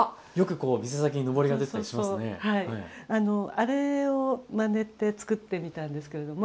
あれをまねて作ってみたんですけれども。